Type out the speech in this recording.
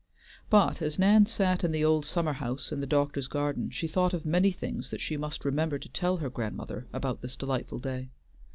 But as Nan sat in the old summer house in the doctor's garden, she thought of many things that she must remember to tell her grandmother about this delightful day.